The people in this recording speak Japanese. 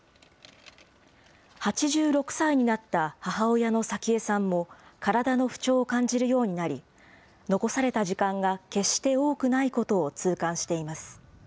８６歳になった母親の早紀江さんも、体の不調を感じるようになり、残された時間が決して多くないことを痛感しています。